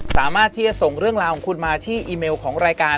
สามารถที่จะส่งเรื่องราวของคุณมาที่อีเมลของรายการ